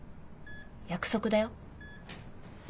約束だよ。